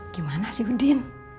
gimana sih udin